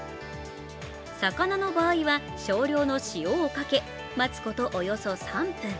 魚の場合は少量の塩をかけ待つことおよそ３分。